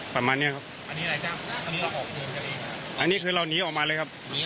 ประมาณเนี้ยครับอันนี้คือเราหนีออกมาเลยครับ